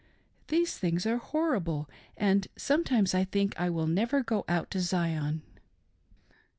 These things are horrible, and sometimes I think I will never go out to Zion."